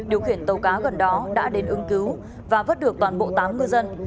điều khiển tàu cá gần đó đã đến ứng cứu và vất được toàn bộ tám mươi dân